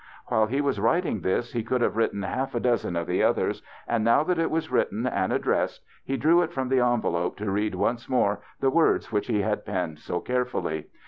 While he was w^riting this he could have written half a dozen of the others, and now that it was written and addressed he drew^ it from the envelope to read once more the w^ords which he had penned so carefully.